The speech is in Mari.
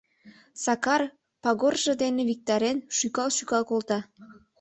Сакар, пагоржо дене виктарен, шӱкал-шӱкал колта.